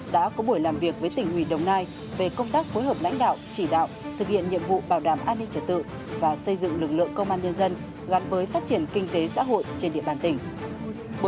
đã có buổi làm việc với tỉnh hủy đồng nai về công tác phối hợp lãnh đạo chỉ đạo thực hiện nhiệm vụ bảo đảm an ninh trật tự và xây dựng lực lượng công an nhân dân gắn với phát triển kinh tế xã hội trên địa bàn tỉnh